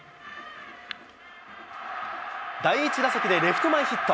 第１打席でレフト前ヒット。